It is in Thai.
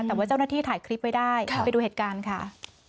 แต่ว่าเจ้าหน้าที่ถ่ายคลิปไว้ได้ไปดูเหตุการณ์ค่ะ